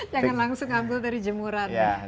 jangan langsung ambil dari jemuran